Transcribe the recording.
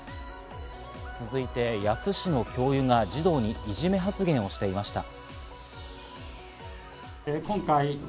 続いて野洲市の教諭が児童にいじめ発言をしていました。